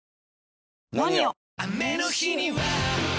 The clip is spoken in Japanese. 「ＮＯＮＩＯ」！